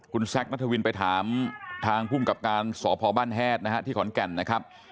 คุณแซคณฑวินไปถามทางผู้มกับการสอบภอบ้านแฮดนะครับที่ขอนแก่นนะครับ